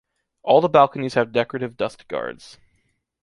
All the balconies have decorative dust-guards.